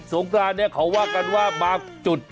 สงกราภาทเขาว่ากันว่ามาจุด